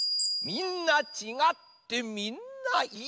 みんなちがってみんないい。